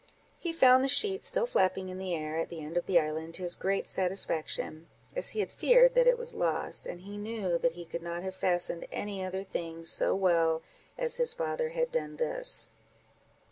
He found the sheet still flapping in the air, at the end of the island, to his great satisfaction, as he had feared that it was lost, and he knew that he could not have fastened any other thing so well as his father had done this.